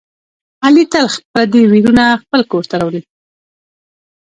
علي تل پردي ویرونه خپل کورته راوړي.